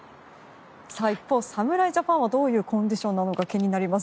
一方、侍ジャパンはどういうコンディションなのか気になります。